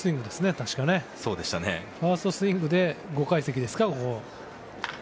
ファーストスイングで５階席ですか。